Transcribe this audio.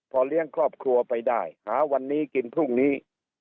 พอเลี้ยงครอบครัวไปได้หาวันนี้กินพรุ่งนี้